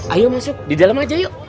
ayo masuk di dalam aja yuk